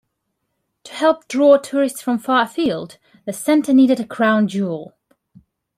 To help draw tourists from far afield, the center needed a crown jewel.